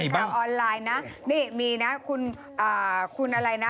มีเป็นข้างออนไลน์น่ะนี่นี่มีนะคุณคุณอะไรน่ะ